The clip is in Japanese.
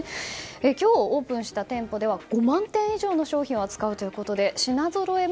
今日オープンした店舗では５万点以上の商品を扱うということで品ぞろえも